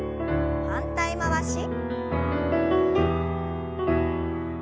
反対回し。